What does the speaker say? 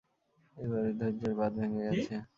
এবার ধৈর্য্যের বাঁধ ভেঙ্গে গেছে।